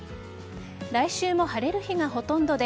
来週も晴れる日がほとんどで